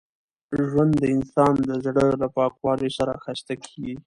ژوند د انسان د زړه له پاکوالي سره ښایسته کېږي.